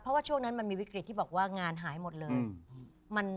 เพราะว่าช่วงนั้นมันมีวิกฤตที่บอกว่างานหายหมดเลย